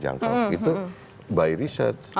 penyediaan harga harga yang terjangkau itu by research